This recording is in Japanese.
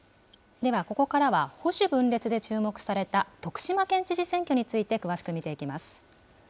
では、ここからは、保守分裂で注目された徳島県知事選挙について、詳しく見ていきます。